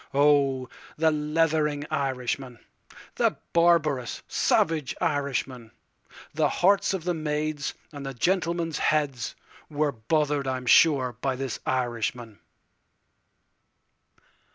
Oh, the leathering Irishman, The barbarous, savage Irishman—The hearts of the maids, and the gentlemen's heads, were bother'd I 'm sure by this Irishman.